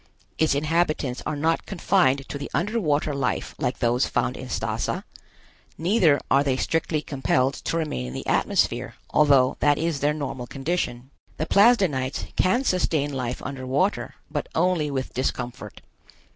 Its inhabitants are not confined to the under water life like those found in Stazza, neither are they strictly compelled to remain in the atmosphere, although that is their normal condition. The Plasdenites can sustain life under water, but only with discomfort.